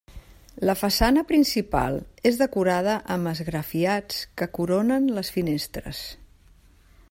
La façana principal és decorada amb esgrafiats que coronen les finestres.